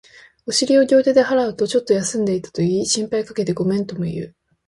お尻を両手で払うと、ちょっと休んでいたと言い、心配かけてごめんとも言う